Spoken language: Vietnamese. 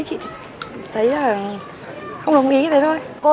sao mày đánh với đầu nó